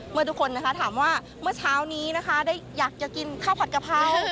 เมื่อทุกคนถามว่าเมื่อเช้านี้อยากจะกินข้าวผัดกะเพรา